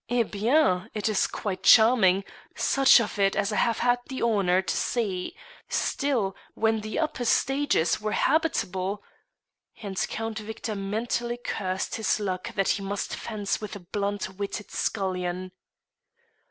"Eh bien! It is quite charming, such of it as I have had the honour to see; still, when the upper stages were habitable " and Count Victor mentally cursed his luck that he must fence with a blunt witted scullion.